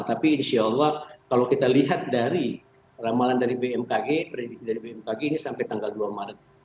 tapi insya allah kalau kita lihat dari ramalan dari bmkg prediksi dari bmkg ini sampai tanggal dua maret